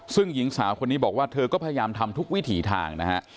ซึ่งหญิงสาวคนนี้บอกว่าเธอก็พยายามทำทุกวิถีทางนะฮะ